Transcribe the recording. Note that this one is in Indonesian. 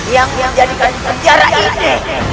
yang menjadikan sejarah ini